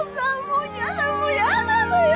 もう嫌なのよ